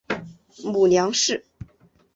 母梁氏。